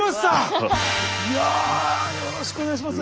いやよろしくお願いします。